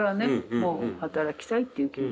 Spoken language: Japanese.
もう働きたいっていう気持ちが。